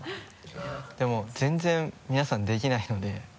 でも全然皆さんできないので。